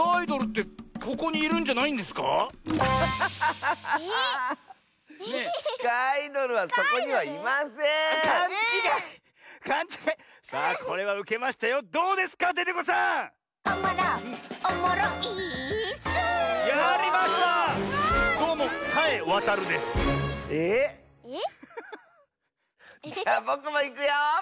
じゃぼくもいくよ！